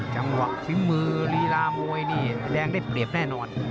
จำหวักชิมมือรีราบุรุณ์มวยแดงเร็ดเปรียบแน่นอน